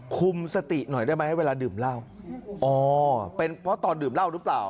คุมสติหน่อยได้ไหมเวลาดื่มเหล้าอ๋อเป็นเพราะตอนดื่มเหล้าหรือเปล่า